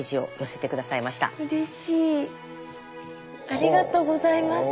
ありがとうございます。